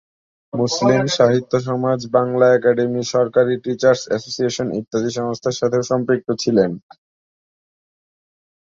মুসলিম সাহিত্য সমাজ, বাংলা একাডেমি, সরকারি টিচার্স এসোসিয়েশন ইত্যাদি সংস্থার সাথেও সম্পৃক্ত ছিলেন।